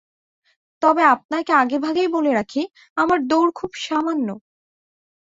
তবে আপনাকে আগেভাগেই বলে রাখি, আমার দৌড় খুব সামান্য।